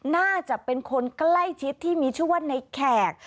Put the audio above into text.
น่าจะเป็นคนใกล้ชิดที่มีชื่อว่าในแขก